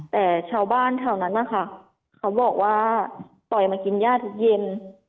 แต่ชาวบ้านแถวนั้นนะคะเขาบอกว่าปล่อยมากินย่าทุกเย็น